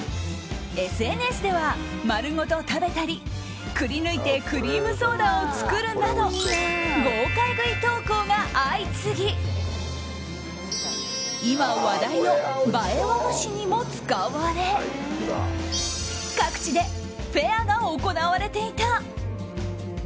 ＳＮＳでは、丸ごと食べたりくりぬいてクリームソーダを作るなど豪快食い投稿が相次ぎ今話題の映え和菓子にも使われ各地でフェアが行われていた。